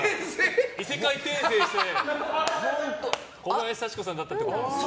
異世界転生して小林幸子さんになったってことか。